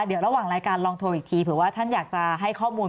เดี๋ยวระหว่างรายการลองโทรอีกทีเผื่อว่าท่านอยากจะให้ข้อมูล